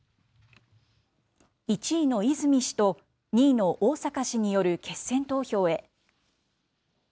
１位の泉氏と、２位の逢坂氏による決選投票へ。